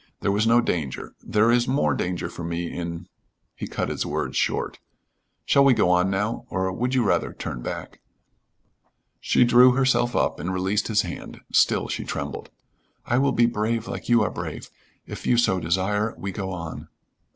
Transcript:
There was no danger. There is more danger for me in " he cut his words short. "Shall we go on now? Or would you rather turn back?" She drew herself up and released his hand; still she trembled. "I will be brave like you are brave. If you so desire, we go on."